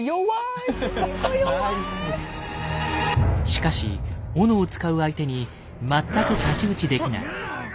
しかし斧を使う相手に全く太刀打ちできない。